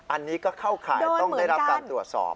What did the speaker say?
อันนี้ก็เข้าข่ายต้องได้รับการตรวจสอบ